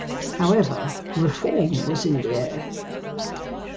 However, reform was in the air.